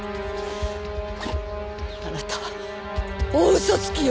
あなたは大嘘つきよ！